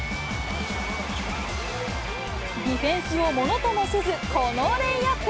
ディフェンスをものともせず、このレイアップ。